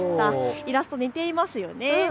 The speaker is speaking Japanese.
イラスト、似ていますよね。